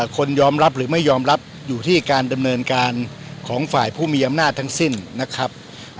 คนยอมรับหรือไม่ยอมรับอยู่ที่การดำเนินการของฝ่ายผู้มีอำนาจทั้งสิ้นนะครับ